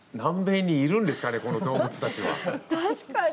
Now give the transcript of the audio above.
確かに。